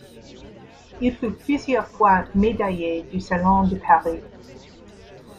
Il fut plusieurs fois médaillé du Salon de Paris.